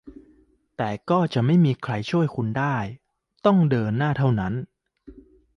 แต่ก็จะไม่มีใครช่วยคุณได้ต้องเดินหน้าเท่านั้น